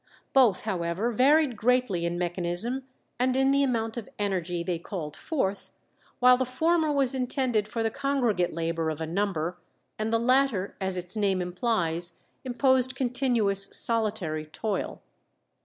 Both, however, varied greatly in mechanism and in the amount of energy they called forth, while the former was intended for the congregate labour of a number, and the latter, as its name implies, imposed continuous solitary toil.